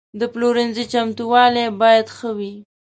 د پلورنځي چمتووالی باید ښه وي.